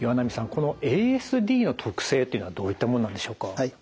このＡＳＤの特性っていうのはどういったものなんでしょうか？